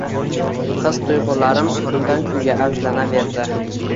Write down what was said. His-tuyg`ularim kundan-kunga avjlanaverdi